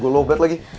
kalian tuh bisa gak sih